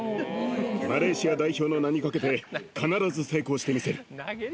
マレーシア代表の名にかけて、必ず成功してみせる。